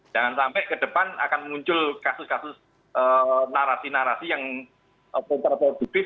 jangan sampai ke depan akan muncul kasus kasus narasi narasi yang kontraproduktif